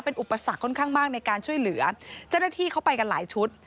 เป็นอุปสรรคค่อนข้างมากในการช่วยเหลือเจ้าหน้าที่เขาไปกันหลายชุด